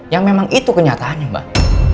yang memang itu kenyataannya mbak